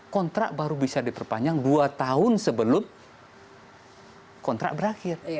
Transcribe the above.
kontrak baru bisa diperpanjang dua tahun sebelum kontrak berakhir